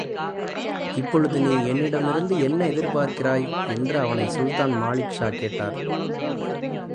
இப்பொழுது நீ என்னிடமிருந்து என்ன எதிர்பார்க்கிறாய்! என்று அவனை சுல்தான் மாலிக்ஷா கேட்டார்.